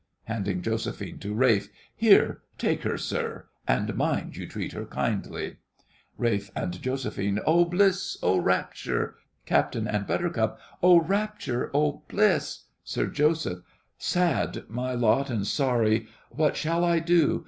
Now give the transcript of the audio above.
(Handing JOSEPHINE to RALPH.) Here — take her, sir, and mind you treat her kindly. RALPH and JOS. Oh bliss, oh rapture! CAPT. and BUT. Oh rapture, oh bliss! SIR JOSEPH. Sad my lot and sorry, What shall I do?